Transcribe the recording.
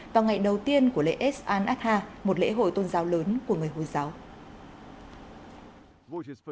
vào ngày đầu tiên của lễ es an adha một lễ hội tôn giáo lớn của người hồi giáo